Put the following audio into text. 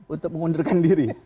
untuk mengundurkan diri